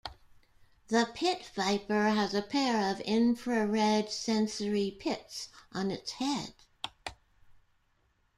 The pit viper has a pair of infrared sensory pits on its head.